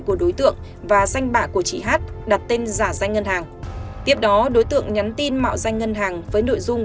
của đối tượng và danh bạ của chị hát đặt tên giả danh ngân hàng tiếp đó đối tượng nhắn tin mạo danh ngân hàng với nội dung